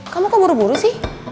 kamu kok buru buru sih